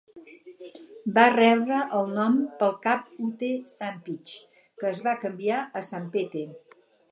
Va rebre el nom pel cap Ute Sanpitch, que es va canviar a Sanpete.